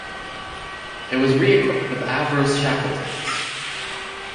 It was re-equipped with Avro Shackletons.